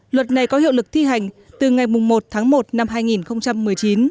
luật này có hiệu lực thi hành từ ngày một tháng một năm hai nghìn một mươi chín